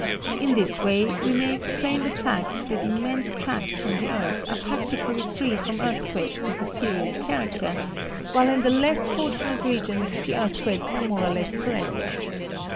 In this way we may explain the fact that immense tracts on the earth are practically free from earthquakes of a serious character, while in the less fortunate regions the earthquakes are more or less perennial.